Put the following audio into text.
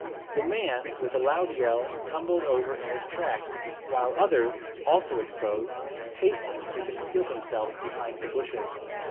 The man, with a loud yell, tumbled over in his tracks, while others, also exposed, hastened to conceal themselves behind the bushes.